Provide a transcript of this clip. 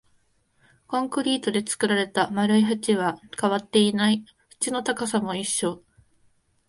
コンクリートで作られた丸い縁は変わっていない、縁の高さも一緒